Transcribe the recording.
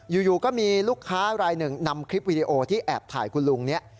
อยู่ก็มีลูกค้ารายหนึ่งนำคลิปวิดีโอที่แอบถ่ายคุณลุงนี้